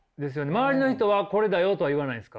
周りの人はこれだよとは言わないんですか？